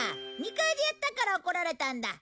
２階でやったから怒られたんだ！